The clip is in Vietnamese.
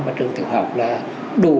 và trường tiểu học là đủ